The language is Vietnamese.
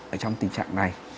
ở trong tình trạng này